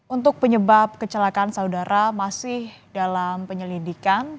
untuk penyebab kecelakaan saudara masih dalam penyelidikan